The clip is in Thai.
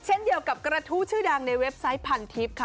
เช่นเดียวกับกระทู้ชื่อดังในเว็บไซต์พันทิพย์ค่ะ